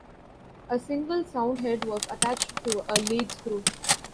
A single soundhead was attached to a lead screw.